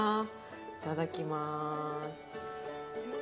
いただきます。